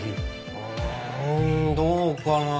うーんどうかなあ？